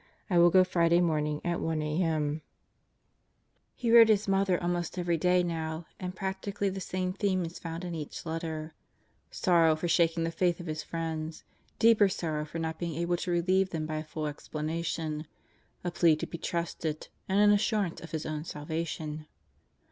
I will go Friday morning at 1 a.m. Out of the Devffs Clutches 167 He wrote his mother almost every day now, and practically the same theme is found in each letter: sorrow for shaking the faith of his friends; deeper sorrow for not being able to relieve them by a full explanation; a plea to be trusted; and an assurance of his own salvation.